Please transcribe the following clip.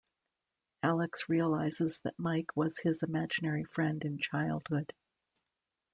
Alex realizes that Mike was his imaginary friend in childhood.